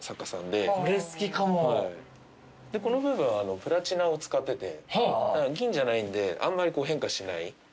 でこの部分はプラチナを使ってて銀じゃないんであんまり変化しないもので。